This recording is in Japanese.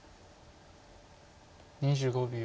２５秒。